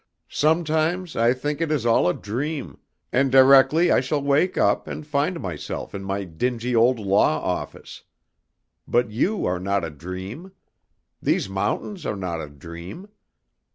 "Sometimes I think it is all a dream, and directly I shall wake up and find myself in my dingy old law office. But you are not a dream. These mountains are not a dream.